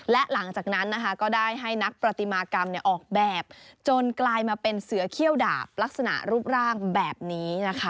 และหลังจากนั้นนะคะก็ได้ให้นักประติมากรรมออกแบบจนกลายมาเป็นเสือเขี้ยวดาบลักษณะรูปร่างแบบนี้นะคะ